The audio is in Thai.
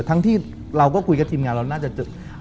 ทั้งที่เราก็คุยกับทีมงานเหมือนเราน่าจะ